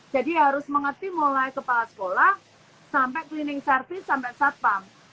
jadi harus mengerti mulai kepala sekolah sampai cleaning service sampai satpam